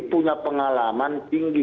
punya pengalaman tinggi